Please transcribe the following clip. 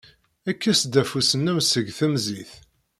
Kkes-d afus-nnem seg temzit.